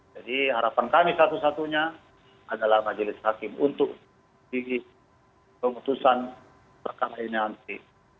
jadi harapan kami satu satunya adalah majelis hakim untuk memutuskan perkara ini nanti